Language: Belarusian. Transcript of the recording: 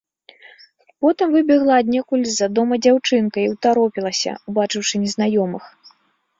Потым выбегла аднекуль з-за дома дзяўчынка і ўтаропілася, убачыўшы незнаёмых.